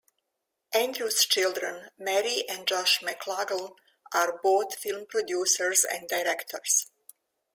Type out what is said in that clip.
Andrew's children, Mary and Josh McLaglen, are both film producers and directors.